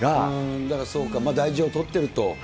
だから、そうか、大事をとってると。